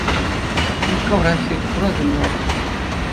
Мускавра ӗҫлет, пурасем тӑвать.